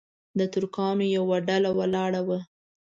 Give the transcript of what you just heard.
د ترکانو یوه ډله ولاړه وه.